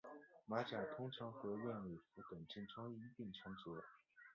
马甲经常和燕尾服等正装一并穿着。